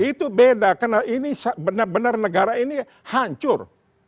itu beda karena ini benar benar negara ini hancur